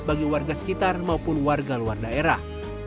bagi warga sekitar maupun warga luar daerah